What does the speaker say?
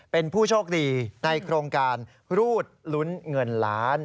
เป็นผู้โชคดีในโครงการรูดลุ้นเงินล้าน